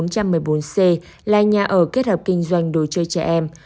c là nhà ở kết hợp kinh doanh đồ chơi trẻ em